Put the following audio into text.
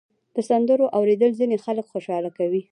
د سندرو اورېدل ځینې خلک خوشحاله کوي.